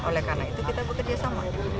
oleh karena itu kita bekerja sama